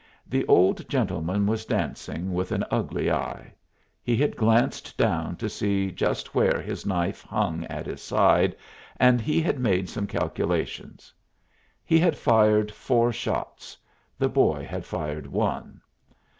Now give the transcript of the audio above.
The old gentleman was dancing with an ugly eye; he had glanced down to see just where his knife hung at his side, and he had made some calculations. He had fired four shots; the boy had fired one.